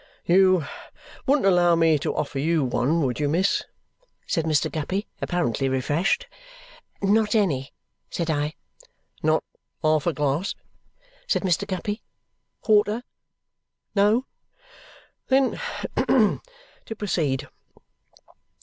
"You wouldn't allow me to offer you one, would you miss?" said Mr. Guppy, apparently refreshed. "Not any," said I. "Not half a glass?" said Mr. Guppy. "Quarter? No! Then, to proceed.